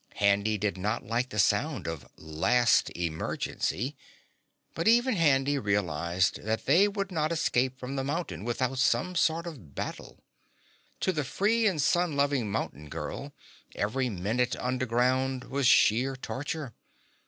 Handy did not like the sound of "last emergency," but even Handy realized they would not escape from the mountain without some sort of battle. To the free and sun loving mountain girl every minute underground was sheer torture.